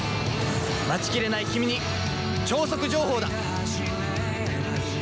待ちきれないキミに超速情報だ！